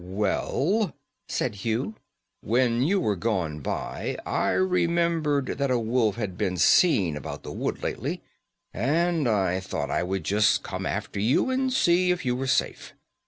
"Well," said Hugh, "when you were gone by, I remembered that a wolf had been seen about the wood lately, and I thought I would just come after you and see if you were safe.